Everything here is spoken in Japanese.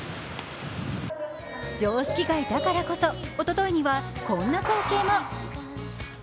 常識外だからこそ、おとといにはこんな光景も。